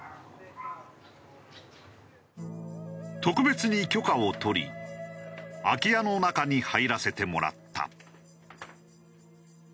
特別に許可を取り空き家の中に入らせてもらった。